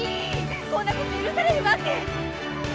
こんなこと許されるわけ！？